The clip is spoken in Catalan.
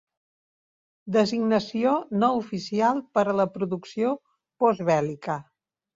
Designació no oficial per a la producció postbèl·lica.